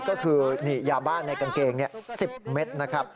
ก็คือยาบ้านในกางเกง๑๐เมตรนะครับ